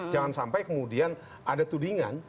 jangan sampai kemudian ada tudingan